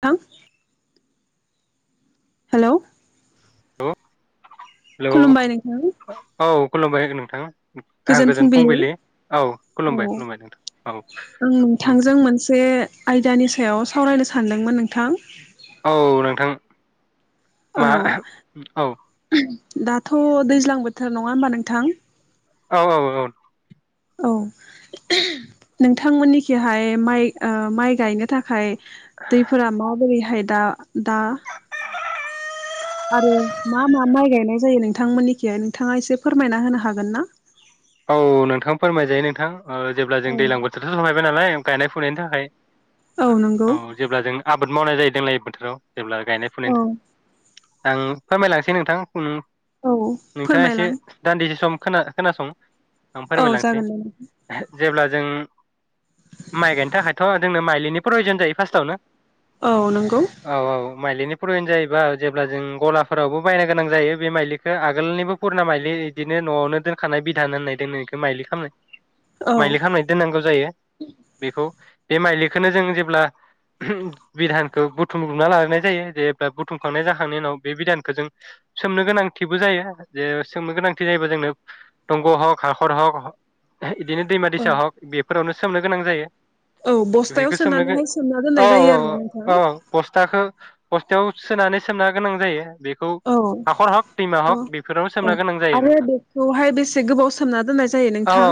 ह [unintelligible] हेलौ औ [unintelligible] हेलौ खुलुमबाय नोंथां औ खुलबाय होगोन नोंथां आं गोजोन फुंबिलि औ खुलुमबाय खुलुमबाय नोंथां औ आं नोंथांजों नोंथां। मोनसे आयदानि सायाव सावरायनो सानदोंमोन नोंथां। औ नोंथां औ मा औ थ' दैज्लां बोथोर नङा होमबा नोंथां औ औ औ। औ नोंथांमोननिखिहाय माइ ओ माइ गायनो थाखाय दैफोरा माबोरैहाय दा-दा आरोे मा मा माय गायनाय जायो नोंथांमोननिखि नोंथाङा एसे फोरमायना होनो हागोन ना? औ नोंथां फोरमायजायो नोंथां ओ जेब्ला जों दैलां औ बोथोरथ' सफायबाय नालाय गायनाय फुनायनि थाखाय नंगौ औ जेब्ला जों आबाद मावनाय जायो दोंलाय बोथोराव। जेब्ला गायनाय औ फुनाय थ आं फोरमायलांसै नोंथां उम औ नोंथाङा फोरमायलां एसे दान्दिसे सम खोना-खोनासं आं औ फोरमायलांसै जागोन दे जेब्ला जों माइ गायनो थाखायथ' जोंनो माइलिनि प्रयजन जायो फार्स्टआवनो। नोंथां औ नंगौ औ औ माइलिनि प्रयजन जायोबा जेब्ला जों गलाफोरावबो बायनो गोनां जायो बे माइलिखौ आगोलनिबो पुराना माइलि बिदिनो न'आवनो दोनखानाय बि थनानै [unintelligible] नाय दोनो इखौ माइलि खालामनो। औ माइलि खालामना दोननांगौ जायो बेखौ बे माइलिखौनो जों जेब्ला बिधानखौ बुथुमबुमना लायनाय जायो जेब्ला बुथुमखांनाय जाखांनायनि उनाव बे बिधानखो जों सोमनो गोनांथिबो जायो, जे सोमनो गोनांथि जायोबा जोंनो टंग' हक हारखर हक इदिनो दैमा औ -दैसा हक बेफोरावनो स सोमनो गोनां औ बस्थायाव जायो। सोमनो गो सोनानैहाय सोमना दोननाय औ जायो -औ आरोना नोंथां औ -औ बस्थाखौ बस्थायाव सोनानै सोमना गोनां जायो। बेखौ औ हाखर हक दैमा औ हक बेफोरावनो सोमना गोनां जायो नोंथां। हाय बेसे गोबाव सोमना दोननाय जायो औ नोंथां?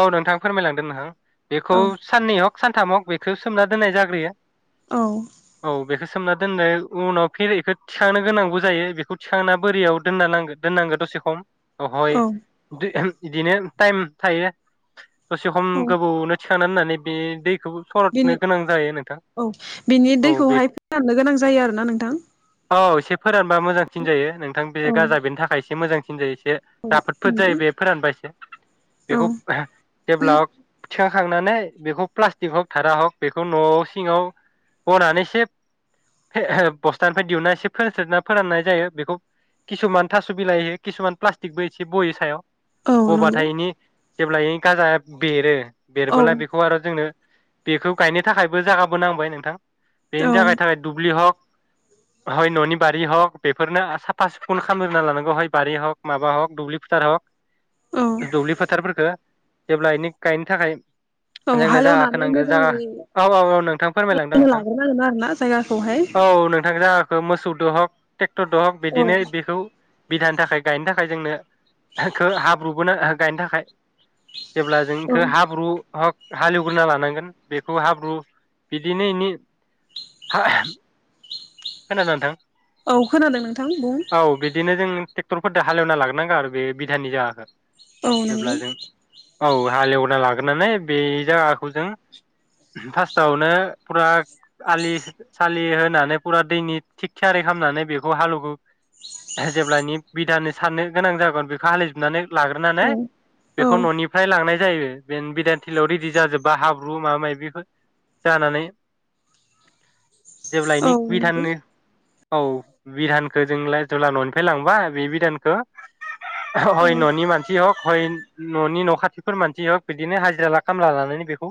औ नोंथां फोरमायलांदों नोंहां बेखौ औ साननैयाव। सानथाम हक बेखौ सोमना दोननाय जाग्रोयो। औ। बेखो सोमना दोननो उनाव फेर इखो थिखांनो गोनांबो जायो बेखौ थिखांना बोरियाव दोनना लांगो दोननांगो दसे खम ओ हय। औ बि ओहो बिदिनो टाइम थायो। दसे खम औ गोबोवनो [unintelligible] होननानै बे दै खौबो सरदनो बिनि गोनां जायो नोंथां, औ बिनि औ बे दैखौहाय फोराननो गोनां जायो आरोना नोंथां औ एसे फोरानबा मोजांसिन जायो नोंथां, बे औ गाजा बेनि थाखाय एसे मोजां। सिनजा [unintelligible] [unintelligible] [unintelligible] [unintelligible] बेखौ प्लासटिक हक धारा हक बेखौ न' सिङाव बनानै एसे फे ओह बस्थानिफाय दिहुनना एसे फोनस्रिदना फोराननाय जायो बेखौ किसुमान थास' बिलाइ होयो किसुमान प्लासटिक बायदि बयो सायाव औ नंगौ औ नंगौ गबाथायनि जेब्लायै गाजा बेरो औ देरबोला बेखौ आरो जोंनो बेखौ गायनो थाखायबो जागाबो नांबाय नोंथां बेेनो औ जागाय थागाय दुब्लि हक हय न'नि बारि हक बेफोरनो आ साफा सुफुन खामग्रोना लानांगौ हय बारि हग माबा हक दुब्लि फुथार औ हक दुब्लि फोथारफोरखो जेब्ला इनिक गायनो थाखाय औ जोंनो जागा खो हालेवनानै नांगो जागा मोजाङै औ औ -औ नोंथां फोरमायलांदों नोंथां लाग्रोनांगोन आरोना जायगाखौहाय औ नोंथां जागा मोसौदो हक ट्रेक्टर दहक औ बिदिनो बिखौ। बिधानि थाखाय गायनो थाखाय जोंनो। हाब्रुुबोनो गायनो थाखाय। जेब्ला औ जोंखौ हाब्रु हक हालेवग्रोना लानांगोन बेखौ हाब्रु बिदिनो एनि [unintelligible] खोनादों नोंथां औ खोनादों नोंथां बुं टेक्टरफोर दो हालेवना [unintelligible] [unintelligible] आरो बे बिधाननि जागाखौ। औ नंगौ जेब्ला जों औ हालेवना [unintelligible] बे जायागाखौ जों फास्तावनो फुरा आलि सालि होनानै फुरा दैनि थिक थियारि खालामनानै बेखौ‌ हालौहो [unintelligible] गोनां जागोन बेखौ हालिजोबनानै औ लाग्रोनानै औ बेखौ न'निफ्राय लांनाय। जायो जेन बिधान थिलियाव रेदि जाजोबबा हाब्रु मायबा मासि जानानै जेब्लायनि औ नंगौ बिधानि औ बिधानखौ जोंला जेब्ला न'निफ्राय लांबा बे बिधानखौ। औ हय न'नि मानसि हक हय न'नि न' खाथिफोर मानसि हक बिदिनो हाजिरा खामला लानानै बेखौ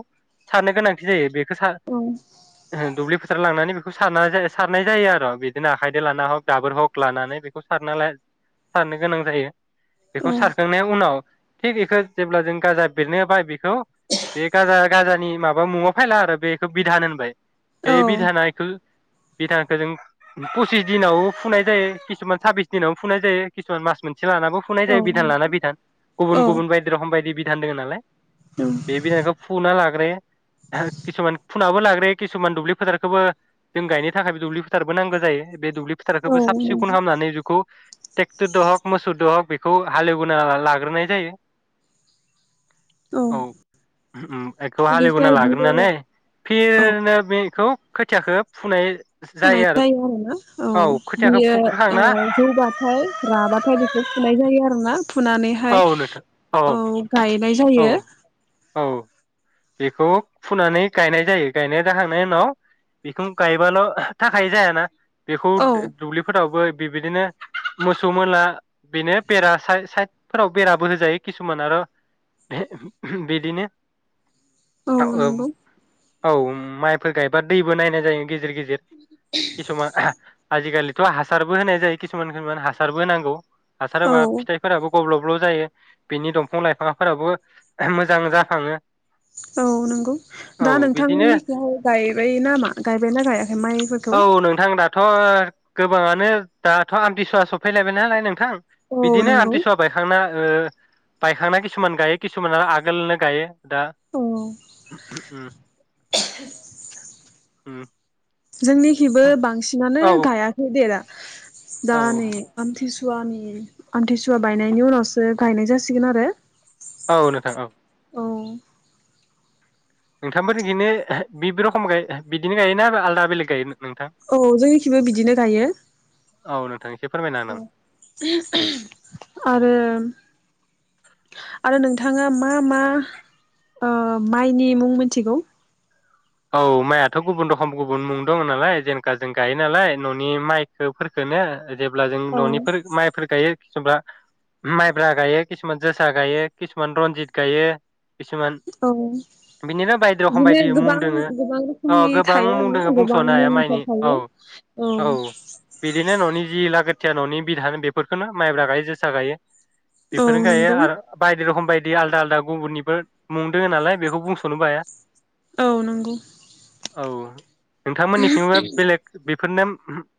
सारनो गोनांथि जायो। औ [unintelligible] हार लांनानै बेखौ सारना सारनाय जायो आरो बिदिनो आखायजों लाना हक दाबोर हक लानानै बेखौ सारना ला सारनो गोनां जायो। औ बेखौ सारखांनाय उनाव थिक बेखो‌ जेब्ला जों गाजा बेरनाया बाय बेखौ बे गाजा गाजानि माबा मुआ फायला आरो बेखौ बिधान मोनबाय। बे औ बिधान आ एखौ बिथांखौ जों पसिस दिनाव फुनाय जायो। किसुमान साबबिस खिसुमान मासमोनसे से लानाबो फुनाय औ जायो बि औ थान्दों नालाय। बे बिनइखौ फुना लाग्रो किसुमान फुनाबो लाग्रो [unintelligible] बे दुब्लि फोथारखौबो साब सिखन हामनानै जुखौ ट्रेक्टरद हग मोसौद हग बेखौ हालेवबोना लाग्रोनाय जायो। औ बेनिफ्राय बियो औ खोथियाखौ फुनाय। होननाय जायो। आरो ना औ खोथियाखौ फुग्रोखांना बियो जौ बाथाय राबाथा बेखौ फुनाय जायो। आरोना फुनानैहाय औ नोंथां औ गायनाय जायो। औ औ बेखौ फुनानै गायनाय जायो गायनाय जाखांनायनि उनाव बेखौ गायबाल थाखाय जायाना बेखौ औ दुब्लिफोरावबो बि बिदिनो मोसौ मोला बेनो बेरा सा साइड फोराव बेराबो होजायो किसुमान आरो बिदिनो औ नंगौ [inaudible] औ माइफोर गायबा दैबो नायनाय जायो गेजेर गेजेर जेरै किसुमान आजिखालि थ हासारबो होनाय जायो किसुमान खिसुमान हासारबो होनांगौ हासार औ होबाय फिथाइफोराबो गब्लब्ल जायो बिनि दंफां लाइफां फोराबो मोजां जााखाङो औ नंगौ दा बिदिनो नोंथांमोननिखि गायबाय नाामा गायबाय ना गायाखै माइफोरखौ औ नोंथां दाथ गोबाङानो दाथ आमथि सुवा सफैलायबाय नालाय नोंथां औ बिदिनो नंगौ आमथिसुवा बायखांना ओ बायखांना किसुमान गायो किसुमाना आगोलनो गायो दा औ ओम जोंनिखिबो बांसिनानो गायाखै दे‌ दा दा औ नै आमथि सु सुवानि आमथिसुवा बायनायनि उनावसो गायनाय जासिगोन आरो औ नोंथां औ औ नोंथांफोरनिखि बिब रखम बिदिनो गायोना आरो आलादा बेलेग गायो। नोंथां औ जोंनिखिबो बिदिनो गायो औ नोंथां एसे फोरमायना औ होनां आरो आरो नोंथाङा मा मा ओ माइनि मुं मिथिगौ औ माइयाथ गुबुन रखम गुबुन मुं दङ नालाय जेनेका जों गायो नालाय न'नि माइखो फोरखोनो जेब्ला जों औ न'निफोर माइफोर गायो। किसुमबा माइब्रा गायो किसुमान जोसा गायो किसुमान रनजित गायो। किसुमान औ बिनिनो बायदि रखम बिदिनो बायदि मुं गोबां गोबां ओ रोखोमनि गोबां थायो मुं आरोना दङो गोबां बुंसनो हाया मुंफोर माइनि औ थायो औ बिदिनो न'नि जि लागो खोथिया ननि बिदान बेफोरखौनो माइब्रा गायो जोसा गायो। औ बेफोरनो गायो नंगौ आरो बायदि रखम बायदि आलदा आलदा गुबुननिबो मुं दङो नालाय बेखौ बुंसनोबो हाया औ नंगौ औ नोंथां मोननिथिंबो बेलेग फोन [unintelligible]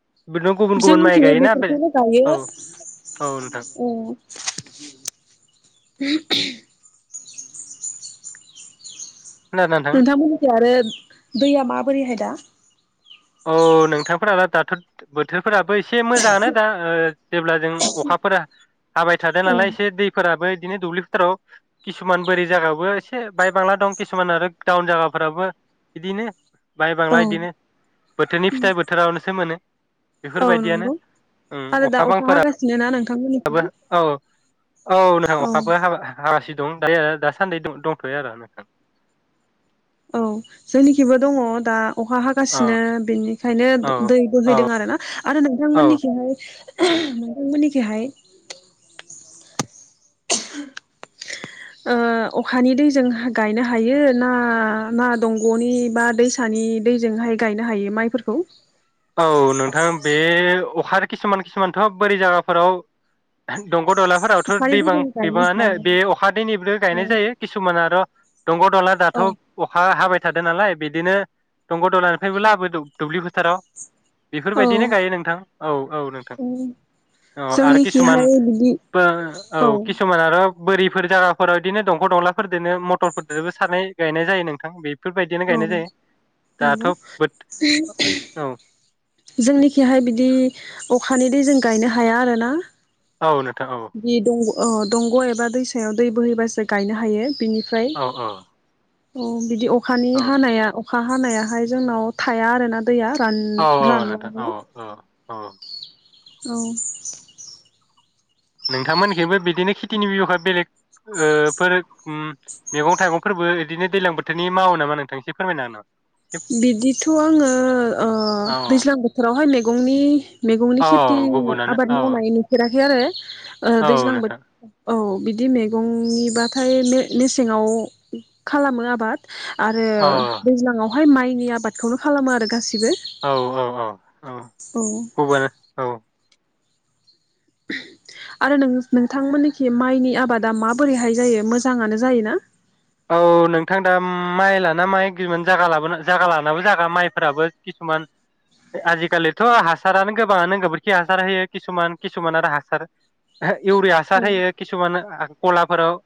जों मिथियो बेफोरखौबो गायो। औ औ नोंथां ओ खोनादोंना नोंथां नोंथांमोननिफ्राय आरो दैया माबोरैहाय दा औ नोंथांफोरा दाथ' बोथोर फोराबो एसे मोजाङानो दा ओ जेब्ला जों अखाफोरा हाबाय थादों औ नालाय एसे दैफोराबो बिदिनो दुब्लि फोथाराव किसुमान बोरै जायागायावो एसे बाय बांला दं किसुमान आरो दाउन जायागाफोराबो बिदिनो बाय औ बांला बिदिनो बोथोरनि फिथाइ बोथोरावनोसो मोनो बेफोर औ बायदियानो नंगौ आरो उम दा अखा हागासिनो ना नोंथांमोननिखै बांफोराबो औ औ नोंथां अखाबो हाब हासि दं दायो दा सान्दि दंथ'यो आरो नोंथां। औ जोंनिखिबो दङ दा अखा औ हागासिनो बिनिखायनो औ दै बोहैदों आरो ना आरो औ नोंथांमोननिखिहाय नोंथांमोननिखहाय ओ अखानि दैजों गायनो हायो ना ना दंग'नि बा दैसानि दैजोंहाय गायनो हायो माइफोरखौ। औ नोंथां बे अखा किसुमान किसुमानथ' बोरै जायगाफोराव दं ग' दलाफोरावथ' अखानि दैबां दैजों गायनो गैबाङानो हाया बे अखा दैनिबो गायनाय जायो किसुमान आरो' दंग' दला औ दाथ' अखा हाबाय थादों नालाय बिदिनो दंग' दंलानिफ्रायबो लाबो दुब्लि फोथाराव बेफोर औ बायदिनो गायो नोंथां औ औ नोंथां औ आरो किसुमान जोंनिखिहाय बिदि औ किसुमान आरो बोरिफोर जागाफोराव बिदिनो दंख' दंलाफोरजोंनो मटरफोरजोंबो सारनाय गायनाय जायो नोंथां बे बेफोर बायदियनो औ गायनाय जायो दाथ' नंगौ बोथो औ जोंनिखिहाय बिदि अखानि दै जों गायनो हाया आरोना औ [unintelligible] बि दंग औ दंग' एबा दैसायाव दै बोहैबासो गायनो हायो बिनि औ औ अ बिदि अ- -खानि औ हानाया अखा हानायाहाय जोंनाव थाया आरोना दैया रान रानलांङो। अ औ नोंथांमोननिखिबो बिदिनो खेथिनि बिबखा बेलेग फोर मैगं थाइगंफोरबो बिदिनो दैज्लां बोथोरनि मावो नामा नोंथांनिखि फोरमायनो हागोन नामा एसे बिदिथ' आङो ओ औ दैज्लां बोथोरावहाय मे- गंनि मैगंनि खेथि औ गुबुनानो आबाद औ मावनाय नुफेराखै आरो औ दैज्लां नोंथां बोथोराव औ बिदि बिदि मैगंनिबाथाय मेसेङाव खालामो आबाद आरो औ दैज्लाङाव बेहाय माइनि आबादखौनो खालामो आरो गासैबो औ औ औ औ गुबुन औ आरो नों नोंथांमोननोखि माइनि आबादा माबोरैहाय जायो मोजाङानो जायो ना औ नोंथां दा माइ लाना माइ किसुमान जागा लानाबो जागा माइफोराबो किसुमान आजिखालिथ' हासारानो गोबाङानो गोबोरखि हासार होयो किसुमान किसुमान आरो हासार इउरिया हासार होयो किसुमान गलाफोराव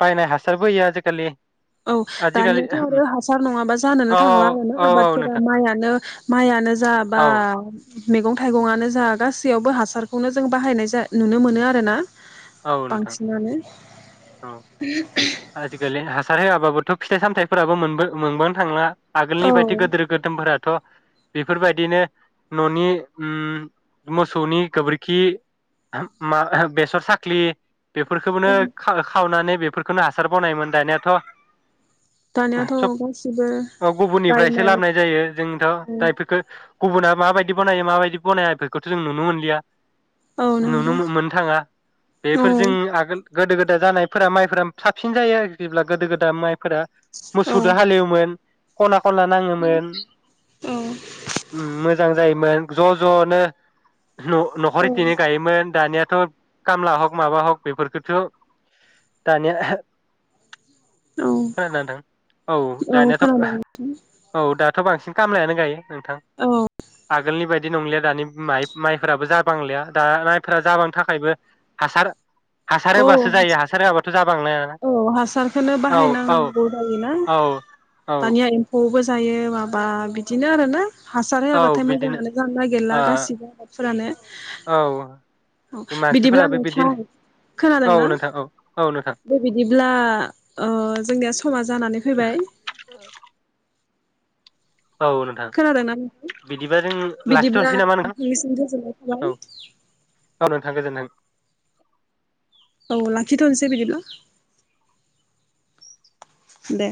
बायनाय हासारबो [unintelligible] [unintelligible] औ दानियाथ' आजिखालि आरो हासार नङाबा औ जानोनो थांला आरोना औ औ आबादफोरा नोंथां माइानो माइआनो जाबा औ मैगं थाइगंआनो जा गासैयावबो हासारखौनो जों बाहायनाय नुनो मोनो आरो ना औ नोंथां बांसिनानो औ आजिखालि हासार होआबाबोथ' फिथाइ सामथायफोराबो मोनबानो थांला आगोलनि औ बायदि गोदिर गोदोमफोरा बेफोरबायदिनो न'नि ओ मोसौनि गोबोरखि मा बेसर साखा [unintelligible] औ बेफोरखौनो खाव-खावनानै बेफोरखौनो हासार बनायमोन दानियाथ' दानियाथ' सब गासिबो औ गुबुननिफ्रायसो बायनाय लाबोनाय जायो जोंथ' दा औ बेफोरखौ गुबुना माबायदि बनायो माबायदि बनाया इफोरखौथ' जों नुनो मोनलिया औ नुनो नंगौ मोननो थाङा औ बेफोरजोंनो आगोल गोदो गोदाय जानायफोरा माइफोरा साबसिन जायो आरो जेब्ला गोदो गोदा माइ फोर औ मोसौदो हालेवोमोन खना खनला नाङोमोन मोजां जायोमोन ज' ज' नो न'-न'खर औ बिदिनो दायोमोन दानिया थ' कामला हख माबा हक बेफोरखौथ' दानिया [unintelligible] औ खोनदोना नोंथां? औ दानियााथ' [unintelligible] औ दा थ' बांसिन खामलायानो गायो। नोंथां औ आगोलनि बाय दि नंलिया दानि माइ-माइफोराबो जाबांलिया दा माइफोरा जाबांनो थाखायबो हासार हासार औ होबासो जायो हासार होआबाथ' जाबांलाया औ हासारखौनो औ औ बाहायनांगौ जायोना औ औ दानिया एम्फौबो जायो माबा बिदिनो आरो ना हासार औ होआबाथाय बिदिनो मोजाङानो जानो नागिरला ओ गासिबो आबादफोरानो औ औ बिदिब्ला मानसिफोराबो नोंथां बिदिनो औ नोंथां औ औ नोंथां दे बिदिब्ला ओ जोंनिया समा जानानै फैबाय औ नोंथां खोनादोंना नोंथां? बिदिबा जों बिदिब्ला लाखिथ'नोसै नामा नोंथां नोंथांनिसिम गोजोननाय थाबाय। थां गोजोनथों। औ लाखिथ'नोसै बिदिब्ला। दे।